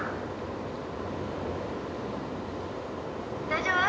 大丈夫。